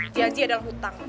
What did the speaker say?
janji adalah hutang